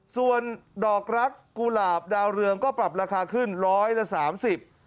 ส่วนดอกรักกุหลาบดาวเรืองก็ปรับราคาขึ้น๑๓๐บาท